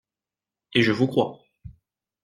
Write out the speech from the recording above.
Et je vous crois!